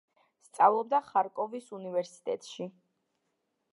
სწავლობდა ხარკოვის უნივერსიტეტში.